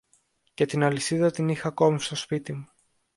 και την αλυσίδα την είχα ακόμα στο σπίτι μου.